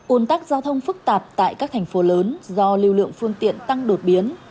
ồn tắc giao thông phức tạp tại các thành phố lớn do lưu lượng phương tiện tăng đột biến